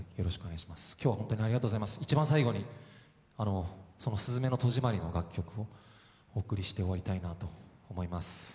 いちばん最後にその「すずめの戸締まり」の楽曲お送りして終わりたいなと思います。